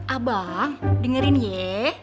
abang dengerin ye